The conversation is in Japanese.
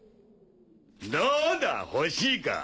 どうだ欲しいか？